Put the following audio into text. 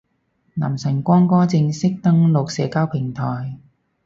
男神光哥正式登陸社交平台